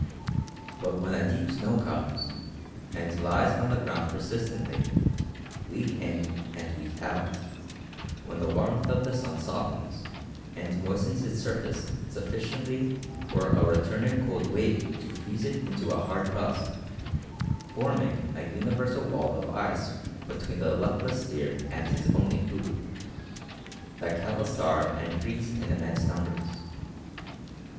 But when a deep snow comes, and lies on the ground persistently, week in and week out, when the warmth of the sun softens and moistens its surface sufficiently for a returning cold wave to freeze it into a hard crust, forming a universal wall of ice between the luckless steer and his only food, the cattle starve and freeze in immense numbers.